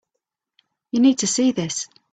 You need to see this.